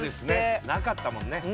なかったもんね。